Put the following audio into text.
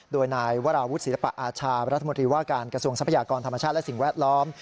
โดยนายวราวุฒิศิลปะอาชารัฐมนตรีว่าการกระทรวงทรัพยากรธรรมชาติและสิ่งแวดล้อม